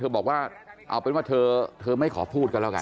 บอกว่าเอาเป็นว่าเธอไม่ขอพูดกันแล้วกัน